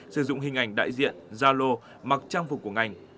sử dụng hình ảnh đại diện gia lô mặc trang phục của ngành